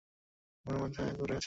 এই চিন্তাটায় উনার মাথায় গেঁড়ে আছে।